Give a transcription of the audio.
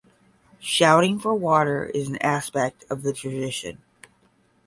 Shouting for water is an aspect of the tradition.